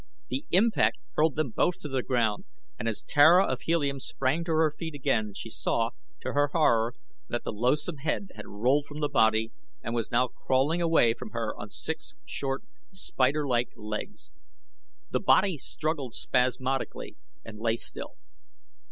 The impact hurled them both to the ground and as Tara of Helium sprang to her feet again she saw, to her horror, that the loathsome head had rolled from the body and was now crawling away from her on six short, spider like legs. The body struggled spasmodically and lay still.